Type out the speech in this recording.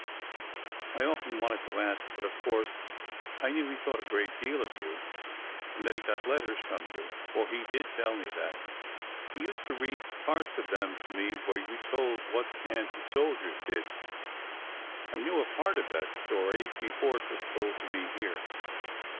I often wanted to ask, but, of course, I knew he thought a great deal of you and that he got letters from you, for he did tell me that. He used to read parts of them to me where you told what the Kan sas soldiers did. I knew a part of that story before it was told to me here."